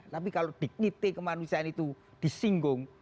tapi kalau dignity kemanusiaan itu disinggung